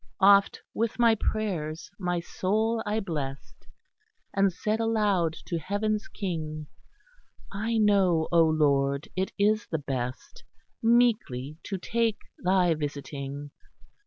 Oft with my prayers my soul I blest, And said aloud to Heaven's King, 'I know, O Lord, it is the best Meekly to take thy visiting.